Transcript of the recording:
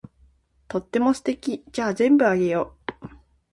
とっても素敵。じゃあ全部あげよう。